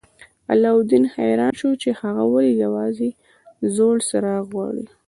علاوالدین حیران شو چې هغه ولې یوازې زوړ څراغ غواړي.